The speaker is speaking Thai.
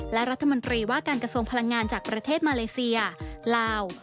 และรัฐมนตรีว่าการกระทรวงพลังงานจากประเทศมาเลเซียลาว